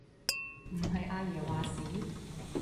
唔係阿爺話事？